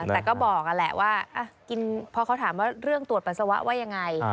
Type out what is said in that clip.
แต่ก็บอกนั่นแหละว่าพอเขาถามว่าเรื่องตรวจปัสสาวะว่ายังไง